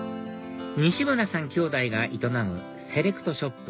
西村さん兄弟が営むセレクトショップ